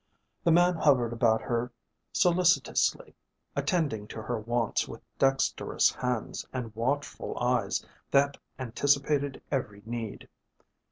The man hovered about her solicitously, attending to her wants with dexterous hands and watchful eyes that anticipated every need.